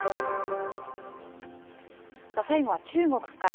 最後は中国から。